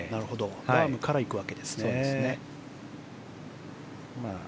ラームからいくわけですね。